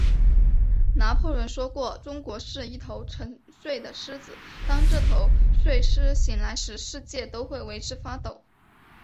拿破仑说过，中国是一头沉睡的狮子，当这头睡狮醒来时，世界都会为之发抖。